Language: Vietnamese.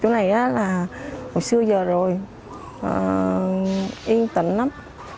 nó là một xưa giờ rồi yên tĩnh lắm